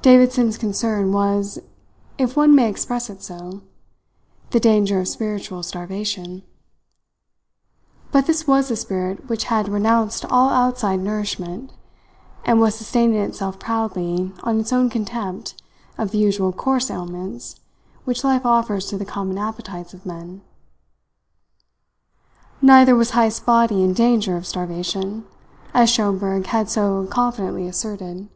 Davidson's concern was, if one may express it so, the danger of spiritual starvation; but this was a spirit which had renounced all outside nourishment, and was sustaining itself proudly on its own contempt of the usual coarse ailments which life offers to the common appetites of men. Neither was Heyst's body in danger of starvation, as Schomberg had so confidently asserted.